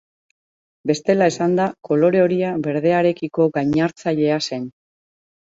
Bestela esanda, kolore horia berdearekiko gainartzailea zen.